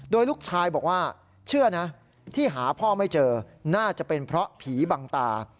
โดยลูกชายบอกว่าเชื่อนะที่หาพ่อไม่เจอน่าจะเป็นเพราะผีบังตา